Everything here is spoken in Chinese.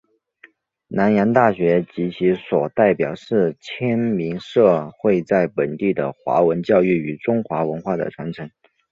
南洋大学及其所代表是迁民社会在本地的华文教育与中华文化的传承。